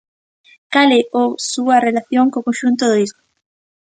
Cal é o súa relación co conxunto do disco?